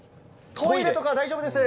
トイレとか大丈夫です。